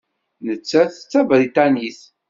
Nettat d Tabriṭanit.